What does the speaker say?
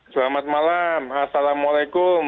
selamat malam assalamualaikum